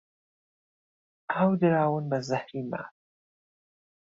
ئاو دراون بە زهەری مار